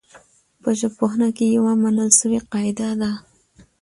په ژبپوهنه کي يوه منل سوې قاعده ده.